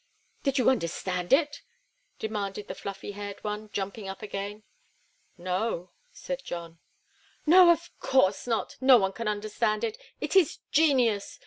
"Did you understand it?" demanded the fluffy haired one, jumping up again. "No," said John. "No! Of course not! No one can understand it. It is genius!